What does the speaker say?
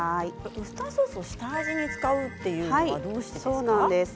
ウスターソースを下味に使うのはどうしてですか。